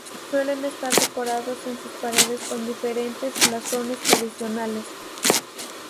Suelen estar decorados en sus paredes con diferentes blasones tradicionales.